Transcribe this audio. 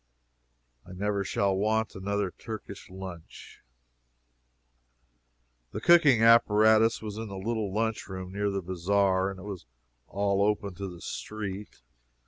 I never shall want another Turkish lunch. The cooking apparatus was in the little lunch room, near the bazaar, and it was all open to the street.